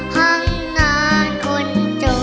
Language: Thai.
ห้องนอนคนจน